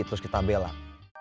terus kita belak